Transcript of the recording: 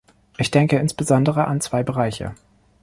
Ich denke insbesondere an zwei Bereiche.